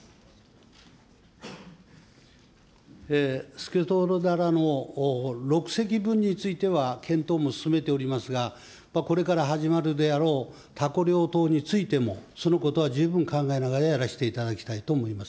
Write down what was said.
スケトウダラの６隻分については、検討も進めておりますが、これから始まるであろうタコ漁等についても、そのことは十分考えながらやらせていただきたいと思います。